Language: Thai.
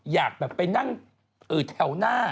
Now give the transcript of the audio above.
อยากแบบไปนั่งแถวหน้า